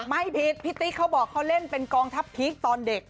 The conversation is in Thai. ไม่ผิดพี่ติ๊กเขาบอกเขาเล่นเป็นกองทัพพีคตอนเด็ก